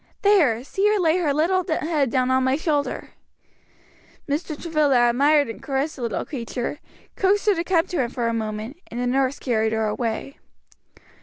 There, see her lay her little head down on my shoulder." Mr. Travilla admired and caressed the little creature, coaxed her to come to him for a moment, and the nurse carried her away.